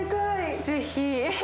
ぜひ。